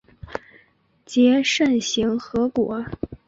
结肾形核果。